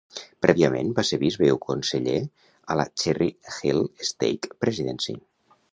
Prèviament va ser bisbe i conseller a la "Cherry Hill Stake Presidency".